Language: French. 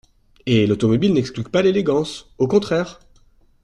Et l’automobile n’exclut pas l’élégance, au contraire !